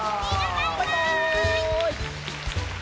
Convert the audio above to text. バイバーイ！